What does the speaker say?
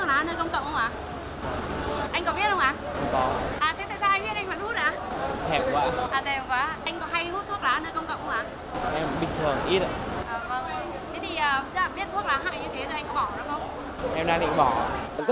anh có biết không ạ